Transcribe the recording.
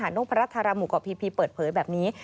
หานุภารัฐรามุกเกาะพีเปิดเผยแบบนี้